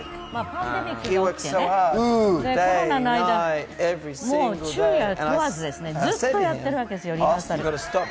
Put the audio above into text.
パンデミックがあってね、コロナの間、もう昼夜問わず、ずっとやってるわけです。